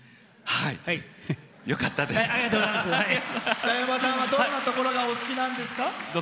北山さんはどんなところがお好きなんですか？